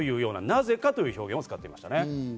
なぜかという表現を使っていましたね。